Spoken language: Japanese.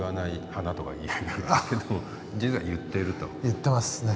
言ってますね。